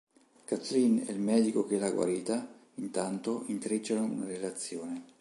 Kathleen e il medico che l'ha guarita, intanto, intrecciano una relazione.